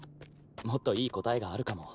もっといい答えがあるかも。